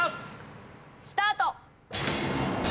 スタート！